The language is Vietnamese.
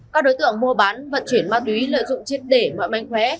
các đối tượng mua bán vận chuyển ma túy lợi dụng chiếc để mọi manh khóe